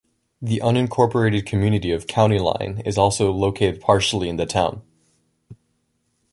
The unincorporated community of County Line is also located partially in the town.